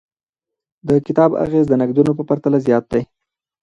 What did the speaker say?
د کتاب اغیز د نقدونو په پرتله زیات دی.